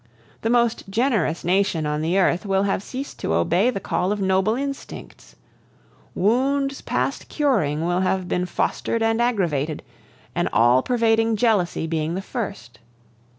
The most generous nation on the earth will have ceased to obey the call of noble instincts. Wounds past curing will have been fostered and aggravated, an all pervading jealousy being the first.